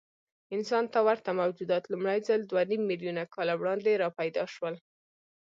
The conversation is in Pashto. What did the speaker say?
انسان ته ورته موجودات لومړی ځل دوهنیممیلیونه کاله وړاندې راپیدا شول.